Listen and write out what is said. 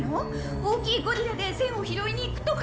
大きいゴリラで栓を拾いにいくとか。